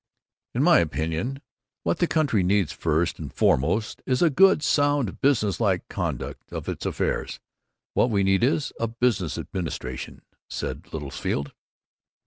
"In my opinion, what the country needs, first and foremost, is a good, sound, business like conduct of its affairs. What we need is a business administration!" said Littlefield.